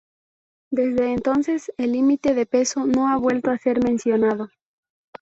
Desde entonces, el límite de peso no ha vuelto a ser mencionado.